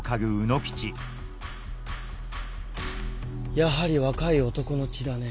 やはり若い男の血だね。